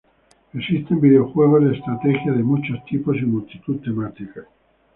Existen videojuegos de estrategia de muchos tipos y multitud de temáticas.